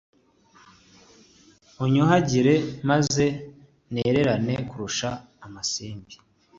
unyuhagire maze nererane kurusha amasimbi